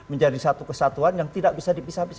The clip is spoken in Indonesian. itu menjadi satu kesatuan yang tidak bisa dipisahkan sama lainnya